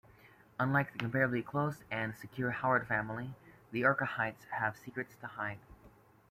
Unlike the comparatively close and secure Howard family, the Urquharts have secrets to hide.